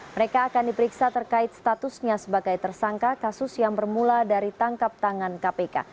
mereka akan diperiksa terkait statusnya sebagai tersangka kasus yang bermula dari tangkap tangan kpk